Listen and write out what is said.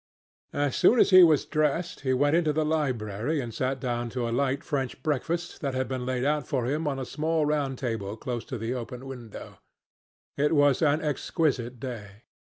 As soon as he was dressed, he went into the library and sat down to a light French breakfast that had been laid out for him on a small round table close to the open window. It was an exquisite day.